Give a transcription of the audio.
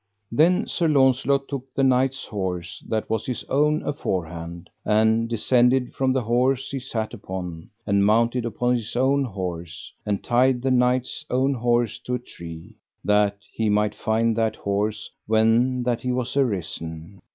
Then Sir Launcelot took the knight's horse that was his own aforehand, and descended from the horse he sat upon, and mounted upon his own horse, and tied the knight's own horse to a tree, that he might find that horse when that he was arisen.